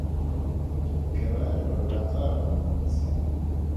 Ke raya gore ba tla go itse.